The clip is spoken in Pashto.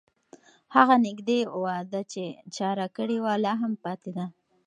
هغه نږدې وعده چې چا راکړې وه، لا هم پاتې ده.